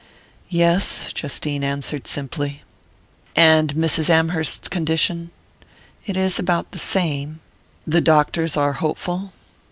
"Yes," Justine answered simply. "And Mrs. Amherst's condition ?" "It is about the same." "The doctors are hopeful?"